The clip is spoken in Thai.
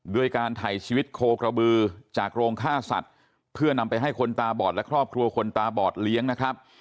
ด้วยการถ่ายชีวิตโคกระบือจากโรงฆ่าสัตว์เพื่อนำไปให้คนตาบอดและครอบครัวคนตาบอดเลี้ยงนะครับ